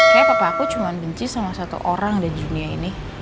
kayaknya papa aku cuma benci sama satu orang di dunia ini